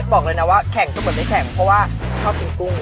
บอกเลยนะว่าแข่งก็เหมือนไม่แข็งเพราะว่าชอบกินกุ้ง